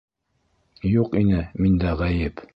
Юҡ ине миндә ғәйеп.